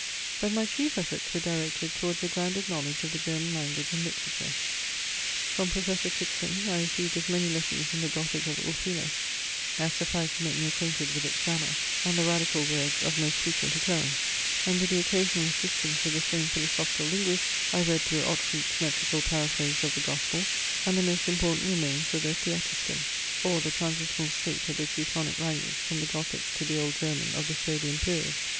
But my chief efforts were directed towards a grounded knowledge of the German language and literature. From professor Tychsen I received as many lessons in the Gothic of Ulphilas as sufficed to make me acquainted with its grammar, and the radical words of most frequent occurrence; and with the occasional assistance of the same philosophical linguist, I read through Ottfried's metrical paraphrase of the gospel, and the most important remains of the Theotiscan, or the transitional state of the Teutonic language from the Gothic to the old German of the Swabian period.